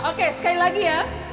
oke sekali lagi ya